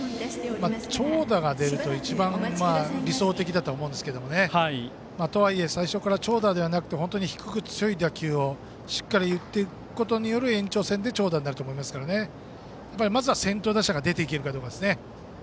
長打が出れば一番理想的だとは思いますがとはいえ、最初から長打ではなく低く強い打球をしっかり打っていくことによる延長線で長打になると思うのでまずは先頭打者が出れるかです。